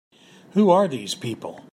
Who are these people?